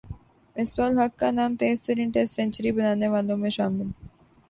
مصباح الحق کا نام تیز ترین ٹیسٹ سنچری بنانے والوںمیں شامل